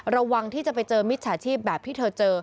ระวังที่จะไปเจอมิจฉาชีพแบบที่เธอเจอ